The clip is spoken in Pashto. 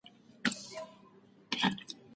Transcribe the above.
که اس ځغلونه وکړو نو دود نه مري.